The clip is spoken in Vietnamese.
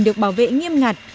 được bảo vệ nghiêm ngặt